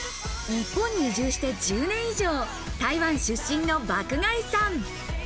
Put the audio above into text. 日本に移住して１０年以上、台湾出身の爆買いさん。